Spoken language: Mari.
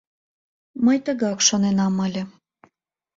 — Мый тыгак шоненам ыле.